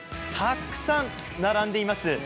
たくさん並んでいます。